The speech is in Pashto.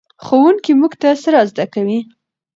ښوونکی موږ ته څه را زده کوي؟